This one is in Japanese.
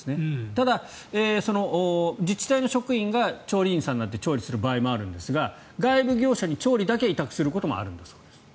ただ、自治体の職員が調理員さんがいて調理する場合もあるんですが外部業者に調理だけ委託することもあるんです。